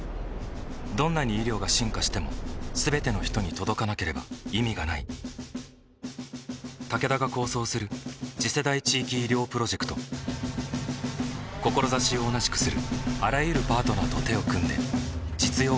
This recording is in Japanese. どんなに医療が進化しても全ての人に届かなければ意味がないタケダが構想する次世代地域医療プロジェクト志を同じくするあらゆるパートナーと手を組んで実用化に挑む